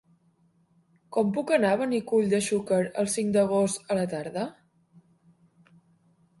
Com puc anar a Benicull de Xúquer el cinc d'agost a la tarda?